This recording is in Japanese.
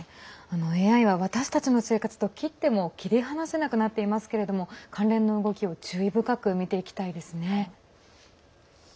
ＡＩは私たちの生活と切っても切り離せなくなっていますけれども関連の動きを注意深く見ていきたいですね。